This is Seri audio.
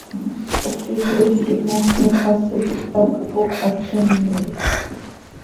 Zixquisiil quih moosni ipxasi quih cötaapj, cooc hacx immiih.